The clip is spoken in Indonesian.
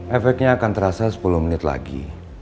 efeknya akan terasa sepuluh menit lagi